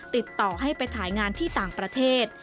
ติดต่อให้ไปถ่ายงานที่ต่างประเทศ